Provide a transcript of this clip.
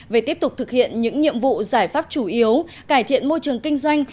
về tiếp tục thực hiện những nhiệm vụ giải pháp chủ yếu cải thiện môi trường kinh doanh